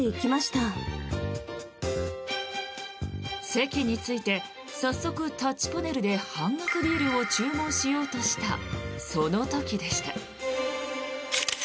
席に着いて早速タッチパネルで半額ビールを注文しようとしたその時でした。